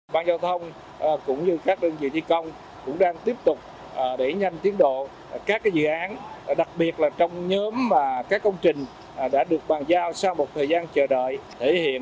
ban giao thông cũng như các đơn vị thi công cũng đang tiếp tục đẩy nhanh tiến độ các dự án đặc biệt là trong nhóm các công trình đã được bàn giao sau một thời gian truyền